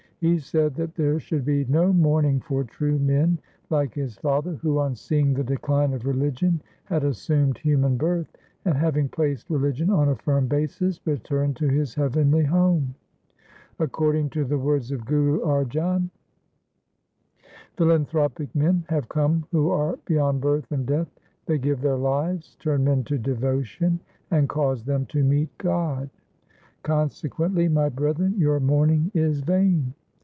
He said that there should be no mourning for true men like his father, who on seeing the decline of religion had assumed human birth, and having placed religion on a firm basis returned to his heavenly home. ' According to the words of Guru Arjan :— Philanthropic men have come who are beyond birth and death ; They give their lives, turn men to devotion, and cause them to meet God. THE SIKH RELIGION Consequently, my brethren, your mourning is vain.'